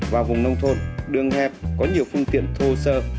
vào vùng nông thôn đường hẹp có nhiều phương tiện thô sơ